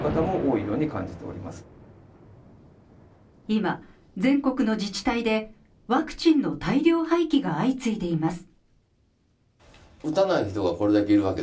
今、全国の自治体でワクチンの大量廃棄が相次いでいます。